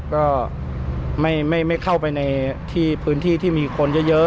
ก็ไม่เข้าไปในที่พื้นที่ที่มีคนเยอะ